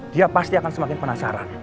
dia pasti akan semakin penasaran